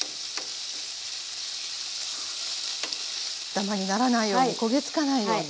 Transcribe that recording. ダマにならないように焦げつかないように。